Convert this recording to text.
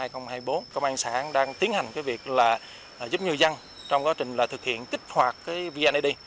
công an xã đang tiến hành cái việc là giúp người dân trong quá trình là thực hiện kích hoạt cái vneid